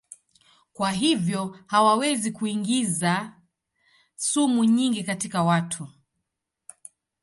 Kwa hivyo hawawezi kuingiza sumu nyingi katika watu.